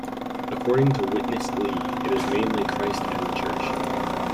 According to Witness Lee, it is mainly Christ and the church.